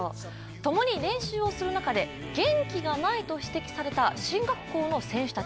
共に練習をする中で元気がないと指摘された進学校の選手たち。